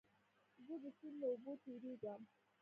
زه د سیند له اوبو تېرېږم.